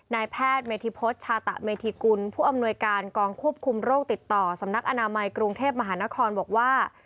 นายแพทย์เมธิพฤษชาตะเมธิกุลผู้อำนวยการกองควบคุมโรคติดต่อสำนักอนามัยกรุงเทพมหานครบอกว่า